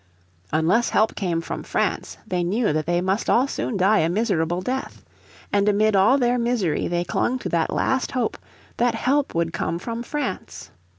Unless help came from France they knew that they must all soon die a miserable death. And amid all their misery they clung to that last hope, that help would come from France.